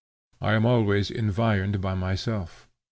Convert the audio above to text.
I am always environed by myself.